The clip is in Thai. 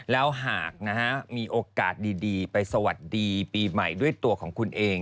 แล้วหากนะฮะมีโอกาสดีไปสวัสดีปีใหม่ด้วยตัวของคุณเอง